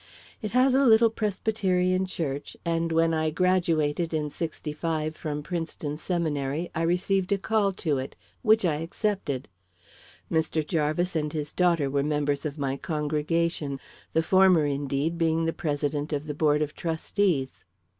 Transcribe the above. It has a little Presbyterian church, and when I graduated in '65 from Princeton seminary, I received a call to it, which I accepted. Mr. Jarvis and his daughter were members of my congregation the former, indeed, being the president of the board of trustees."